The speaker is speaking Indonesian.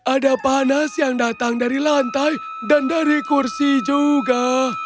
ada panas yang datang dari lantai dan dari kursi juga